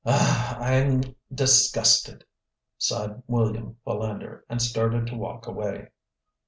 "Oh, I am disgusted!" sighed William Philander, and started to walk away.